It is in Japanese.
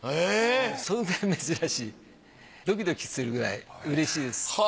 それくらい珍しいドキドキするくらいうれしいです。